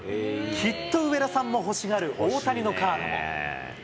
きっと上田さんも欲しがる大谷のカードも。